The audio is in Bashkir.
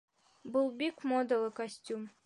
Был бик модалы костюм